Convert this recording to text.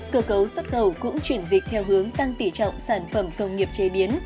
cơ cấu xuất khẩu cũng chuyển dịch theo hướng tăng tỉ trọng sản phẩm công nghiệp chế biến